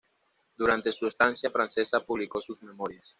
Durante su estancia francesa publicó sus memorias.